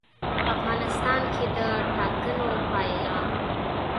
په افغانستان کې د ټاکنو پایله.